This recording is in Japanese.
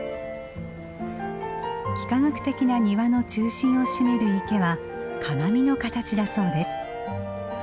幾何学的な庭の中心を占める池は鏡の形だそうです。